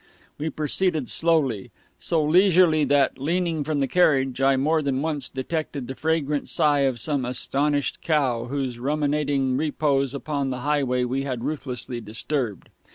We proceeded slowly; so leisurely that, leaning from the carriage, I more than once detected the fragrant sigh of some astonished cow, whose ruminating repose upon the highway we had ruthlessly disturbed.